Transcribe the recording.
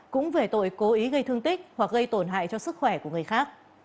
cũng về tội cố ý gây thương tích hoặc gây tổn hại cho sức khỏe của người khác